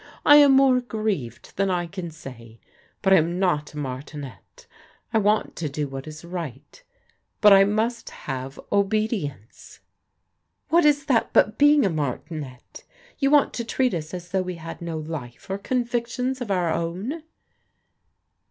I am more grieved than I can say: but I am not a martinet I ¥rant to do what is right. But I must have obedience." " What is that but being a martinet? You want to treat us as though we had no life or convictions of our own?"